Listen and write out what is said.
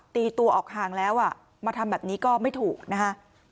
ตีตัวออกห่างแล้วอ่ะมาทำแบบนี้ก็ไม่ถูกนะคะ